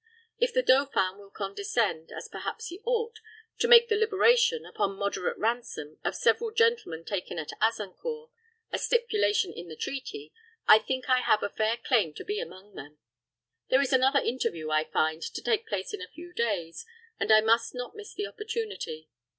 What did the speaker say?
If the dauphin will condescend as perhaps he ought to make the liberation, upon moderate ransom, of several gentlemen taken at Azincourt a stipulation in the treaty, I think I have a fair claim to be among them. There is another interview, I find, to take place in a few days, and I must not miss the opportunity.